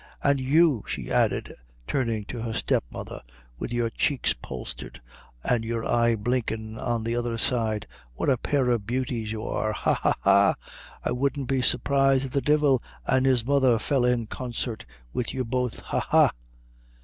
An' you," she added, turning to her step mother, "wid your cheeks poulticed, an' your eye blinkin' on the other side what a pair o' beauties you are, ha! ha! ha! I wouldn't be surprised if the divil an' his mother fell in consate wid you both! ha! ha!"